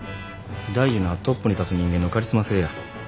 大事なんはトップに立つ人間のカリスマ性や。